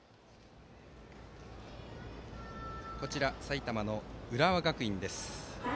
こちら埼玉の浦和学院です。